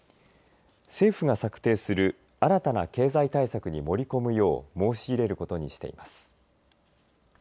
政府が策定する新たな経済対策に盛り込むよう申し入れることにしています。